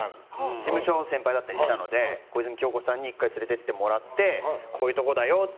事務所の先輩だったりしたので小泉今日子さんに１回連れて行ってもらってこういうところだよって。